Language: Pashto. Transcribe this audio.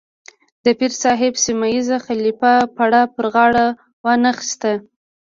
د پیر صاحب سیمه ییز خلیفه پړه پر غاړه وانه اخیسته.